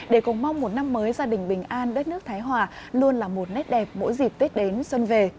để cùng mong một năm mới gia đình bình an đất nước thái hòa luôn là một nét đẹp mỗi dịp tết đến xuân về